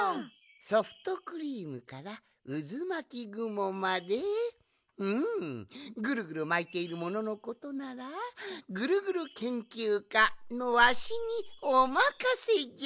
ソフトクリームからうずまきぐもまでうんぐるぐるまいているもののことならぐるぐるけんきゅうかのわしにおまかせじゃ！